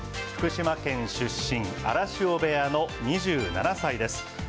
福島県出身、荒汐部屋の２７歳です。